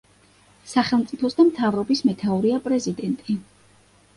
სახელმწიფოს და მთავრობის მეთაურია პრეზიდენტი.